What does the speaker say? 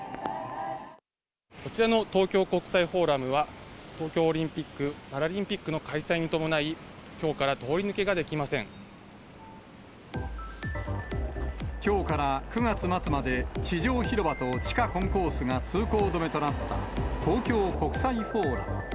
こちらの東京国際フォーラムは、東京オリンピック・パラリンピックの開催に伴い、きょうから通りきょうから９月末まで、地上広場と地下コンコースが通行止めとなった東京国際フォーラム。